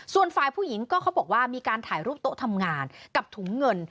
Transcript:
ส่วนฝ่ายผู้หญิงก็เขาบอกว่ามีการถ่ายรูปโต๊ะทำงานกับถุงเงิน